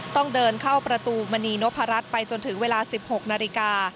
ต้องเดินเข้าประตูมณีนพรัชไปจนถึงเวลา๑๖นาฬิกา